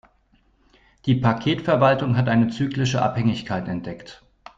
Die Paketverwaltung hat eine zyklische Abhängigkeit entdeckt.